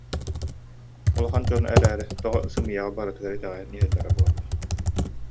Улахан дьон эрээри тоҕо сымыйаҕа барытыгар итэҕэйэн иһэллэрэ буолла